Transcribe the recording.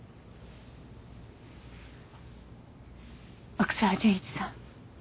奥沢純一さん。